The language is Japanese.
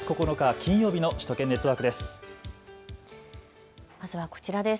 金曜日の首都圏ネットワークです。